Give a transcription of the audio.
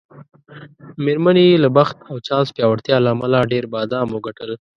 میرمنې یې له بخت او چانس پیاوړتیا له امله ډېر بادام وګټل.